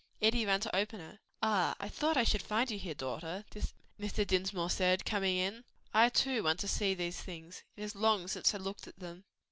Eddie ran to open it. "Ah, I thought I should find you here, daughter," Mr. Dinsmore said, coming in. "I, too, want to see these things; it is long since I looked at them."